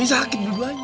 ini sakit berduanya